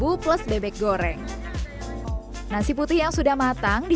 udah jam gibtung kita palabra kalo tidur ya ya kamu